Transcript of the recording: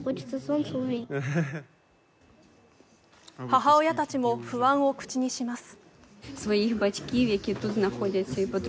母親たちも不安を口にします。